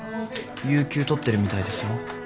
有給取ってるみたいですよ。